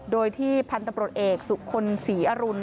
โดยที่พันธุ์ตำรวจเอกสุคลศรีอรุณ